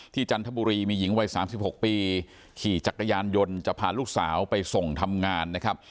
จันทบุรีมีหญิงวัย๓๖ปีขี่จักรยานยนต์จะพาลูกสาวไปส่งทำงานนะครับ